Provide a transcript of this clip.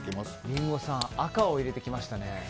リンゴさん赤を入れてきましたね。